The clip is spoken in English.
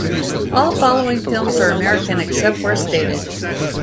All following films are American, except where stated.